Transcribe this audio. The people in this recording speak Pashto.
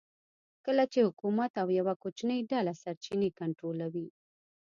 کله چې حکومت او یوه کوچنۍ ډله سرچینې کنټرولوي